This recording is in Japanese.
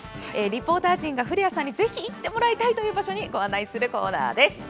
リポーター陣が、古谷さんにぜひ行ってもらいたいという場所にご案内するコーナーです。